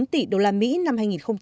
bốn tỷ usd năm hai nghìn bảy mươi bốn